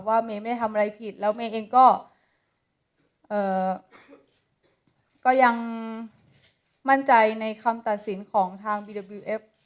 ว่าเมไม่ทำอะไรผิดแล้วเมเองก็เอ่อก็ยังมั่นใจในคำตัดสินของทางบีดับบิวเอฟ